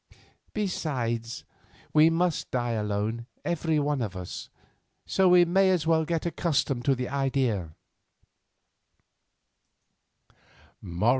Besides, we must die alone, every one of us, so we may as well get accustomed to the idea."